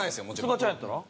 すがちゃんやったら？